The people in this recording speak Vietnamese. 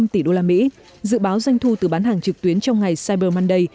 tổng doanh thu từ bán hàng trực tuyến trong ngày cyber monday